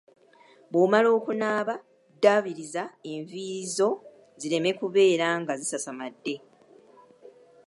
Bw'omala okunaaba ddaabiriza enviiri zo zireme kubeera nga zisasamadde.